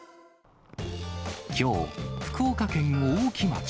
きょう、福岡県大木町。